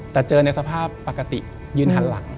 แต่เจอในสภาพปกติยืนหันหลัง